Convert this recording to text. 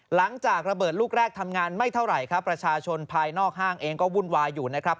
หลังจากระเบิดลูกแรกทำงานไม่เท่าไหร่ครับประชาชนภายนอกห้างเองก็วุ่นวายอยู่นะครับ